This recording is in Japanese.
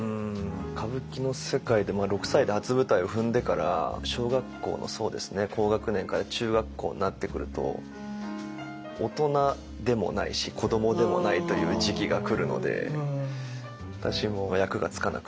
歌舞伎の世界で６歳で初舞台を踏んでから小学校の高学年から中学校になってくると大人でもないし子どもでもないという時期が来るので私も役がつかなくって。